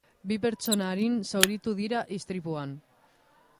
Bi pertsona arin zauritu dira istripuan.